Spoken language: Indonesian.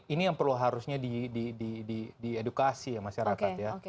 ini yang perlu harusnya di edukasi masyarakat ya